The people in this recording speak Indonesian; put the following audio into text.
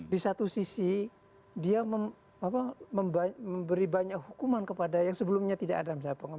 di satu sisi dia memberi banyak hukuman kepada yang sebelumnya tidak ada misalnya